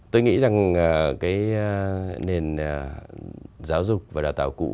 tôi nghĩ rằng cái nền giáo dục và đào tạo cũ